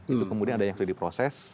itu kemudian ada yang sudah diproses